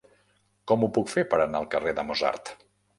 Com ho puc fer per anar al carrer de Mozart?